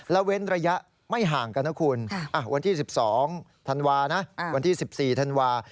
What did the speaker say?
แล้วเว้นระยะไม่ห่างกันนะคุณวันที่๑๒ธันวานะวันที่๑๔ธันวา